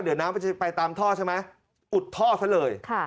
เดี๋ยวน้ำมันจะไปตามท่อใช่ไหมอุดท่อซะเลย